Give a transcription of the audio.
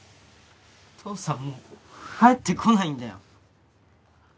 父さんもう帰ってこないんだよ。